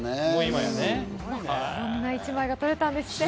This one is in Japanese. こんな一枚が取れたんですって。